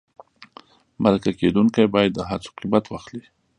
مرکه کېدونکی باید د هڅو قیمت واخلي.